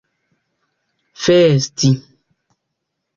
festi